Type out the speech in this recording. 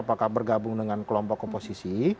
apakah bergabung dengan kelompok oposisi